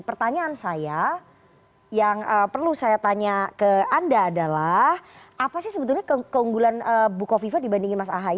pertanyaan saya yang perlu saya tanya ke anda adalah apa sih sebetulnya keunggulan bukoviva dibandingin mas ahaye